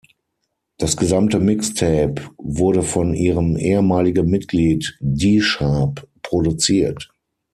Das gesamte Mixtape wurde von ihrem ehemaligen Mitglied D-Sharp produziert.